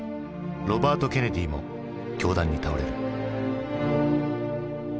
ロバート・ケネディも凶弾に倒れる。